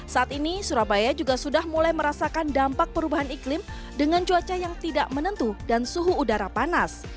saat ini surabaya juga sudah mulai merasakan dampak perubahan iklim dengan cuaca yang tidak menentu dan suhu udara panas